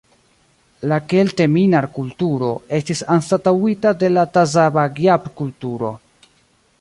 La Kelteminar-kulturo estis anstataŭita de la Tazabagjab-kulturo.